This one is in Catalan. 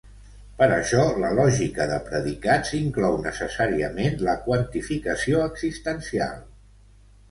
Per això la lògica de predicats inclou necessàriament la quantificació existencial.